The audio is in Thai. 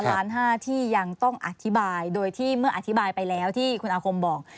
ล้านห้าที่ยังต้องอธิบายโดยที่เมื่ออธิบายไปแล้วที่คุณอาคมบอก